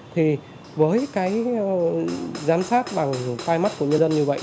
thì với cái giám sát bằng fi mắt của người dân như vậy